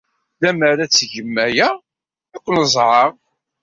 Lemmer ad tgem aya, ad ken-ẓẓɛeɣ.